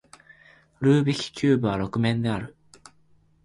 ルービックキューブは六面である